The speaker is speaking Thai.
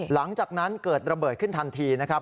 หลังจากนั้นเกิดระเบิดขึ้นทันทีนะครับ